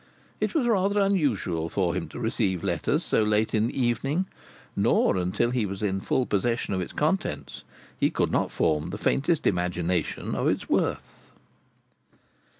It was rather unusual for him to receive letters so late in the evening, nor until he was in full possession of its contents he could not form the faintest imagination of its worth.